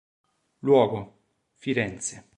Luogo: Firenze.